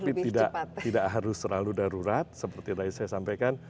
tapi tidak harus selalu darurat seperti tadi saya sampaikan